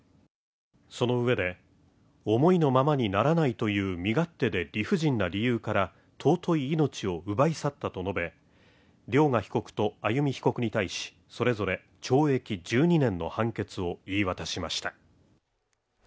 そのうえで、思いのままにならないという身勝手で理不尽な理由から尊い命を奪い去ったと述べ、涼雅被告と歩被告に対しそれぞれ懲役１２年の判決を言い渡しました。